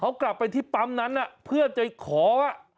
เขากลับไปที่ปั๊มนั้นเพื่อจะขอ